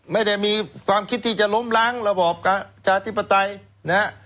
ไม่ได้มีความคิดที่จะล้มล้างระบอบประชาธิปไตยนะฮะ